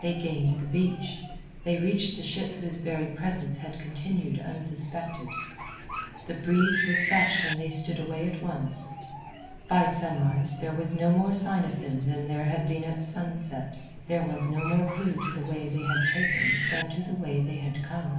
They gained the beach; they reached the ship whose very presence had continued unsuspected. The breeze was fresh and they stood away at once. By sunrise there was no more sign of them than there had been at sunset, there was no more clue to the way they had taken than to the way they had come.